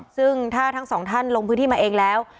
ซึ่งถ้าทั้งสองท่านลงพื้นที่มาเองแล้ว